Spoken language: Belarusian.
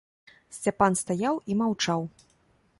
Сцяпан стаяў і маўчаў.